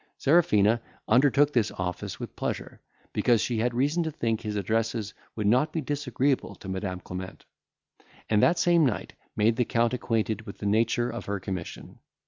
Serafina undertook this office with pleasure, because she had reason to think his addresses would not be disagreeable to Madam Clement; and that same night made the Count acquainted with the nature of her commission.